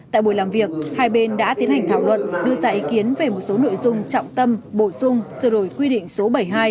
tại buổi làm việc hai bên đã tiến hành thảo luận đưa ra ý kiến về một số nội dung trọng tâm bổ sung sửa đổi quy định số bảy mươi hai